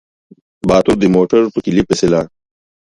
باتور د موټر په کيلي پسې لاړ.